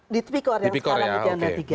di tipikor yang sekarang di undang undang tiga